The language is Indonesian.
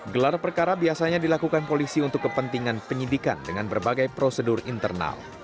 gelar perkara biasanya dilakukan polisi untuk kepentingan penyidikan dengan berbagai prosedur internal